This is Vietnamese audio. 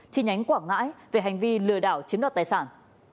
chi nhánh quảng ngãi về hành vi lừa đảo chiếm đoạt tài sản